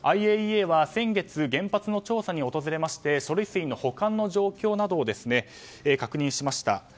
ＩＡＥＡは先月原発の調査に訪れまして処理水の保管の状況などを確認しました。